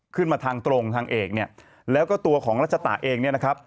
ขึ้นมาทางตรงทางเอกเนี่ยแล้วก็ตัวของรัชตะเองเนี่ยนะครับ